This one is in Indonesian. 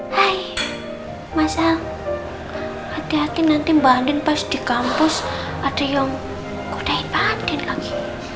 hai mas al hati hati nanti mbak andin pas di kampus ada yang kodain mbak andin lagi